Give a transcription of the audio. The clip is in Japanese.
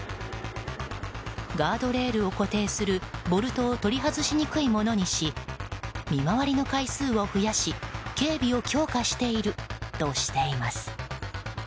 ガードレールを固定するボルトを取り外しにくいものにし見回りの回数を増やし警備を強化しているとしています。